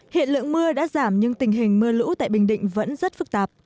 hiện lượng mưa đã giảm nhưng tình hình mưa lũ tại bình định vẫn rất phức tạp